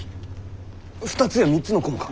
２つや３つの子もか！